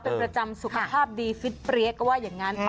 เป็นประจำสุขภาพดีฟิตเปรี้ยก็ว่าอย่างนั้น